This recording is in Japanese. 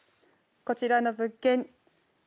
こちらの物件。